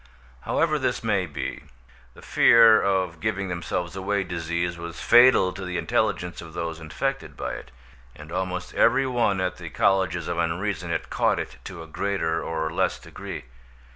However this may be, the fear of giving themselves away disease was fatal to the intelligence of those infected by it, and almost every one at the Colleges of Unreason had caught it to a greater or less degree.